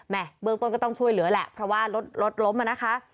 เบื้องต้นก็ต้องช่วยเหลือแหละเพราะว่ารถรถล้มอ่ะนะคะ